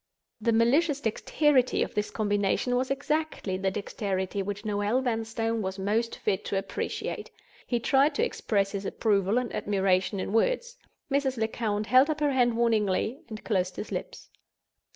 The malicious dexterity of this combination was exactly the dexterity which Noel Vanstone was most fit to appreciate. He tried to express his approval and admiration in words. Mrs. Lecount held up her hand warningly and closed his lips.